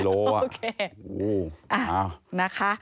โอ้โฮอ้าว